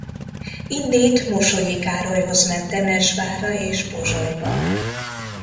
Innét Mosonyi Károlyhoz ment Temesvárra és Pozsonyba.